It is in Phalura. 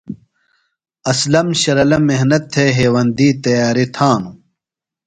اسلم شرلہ محنت تھےۡ ہیوندی تیاری تھانو۔